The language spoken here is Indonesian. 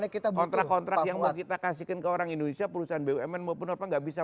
kontrak kontrak yang mau kita kasihkan ke orang indonesia perusahaan bumn mau penuh apa enggak bisa